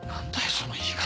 その言い方。